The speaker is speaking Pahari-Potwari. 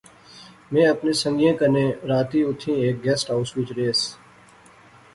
میں اپنے سنگئیں کنے راتی اتھیں ہیک گیسٹ ہائوس وچ رہیس